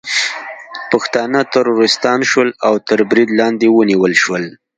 پښتانه ترورستان شول او تر برید لاندې ونیول شول